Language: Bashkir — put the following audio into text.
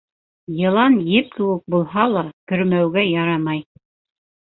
Йылан еп кеүек булһа ла, көрмәүгә ярамай.